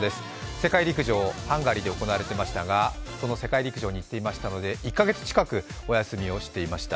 世界陸上、ハンガリーで行われていましたがその世界陸上に行っていましたので１か月近くお休みをしていました。